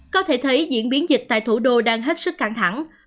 có thể thấy diễn biến dịch tại thủ đô đang hết sức căng thẳng